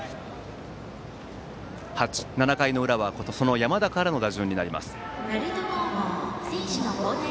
７回の裏はその山田からの打順です。